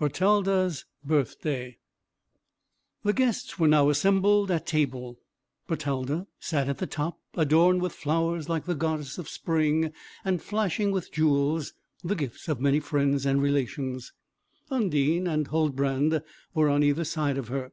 BERTALDA'S BIRTHDAY The guests were now assembled at table; Bertalda sat at the top, adorned with flowers like the goddess of spring, and flashing with jewels, the gifts of many friends and relations. Undine and Huldbrand were on either side of her.